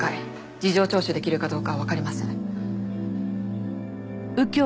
事情聴取出来るかどうかはわかりません。